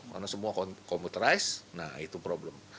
karena semua komputerize nah itu problem